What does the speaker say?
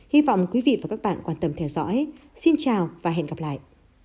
hy vọng quý vị và các bạn quan tâm theo dõi xin chào và hẹn gặp lại